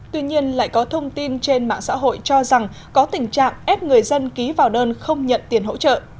tuy nhiên lại có thông tin trên mạng xã hội cho rằng có tình trạng ép người dân ký vào đơn không nhận tiền hỗ trợ